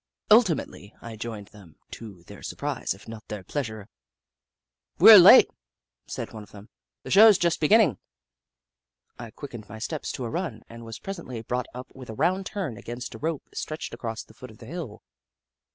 Ultimately I joined them, to their surprise if not their pleasure. Jagg, the Skootavvay Goat 27 "We 're late," said one of them. "The show 's just beginning." I quickened my steps to a run, and was presently brought up with a round turn against a rope stretched across the foot of the hill.